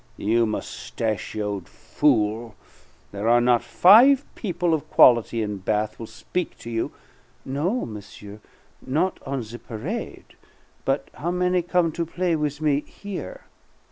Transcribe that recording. "You mustachioed fool, there are not five people of quality in Bath will speak to you " "No, monsieur, not on the parade; but how many come to play with me here?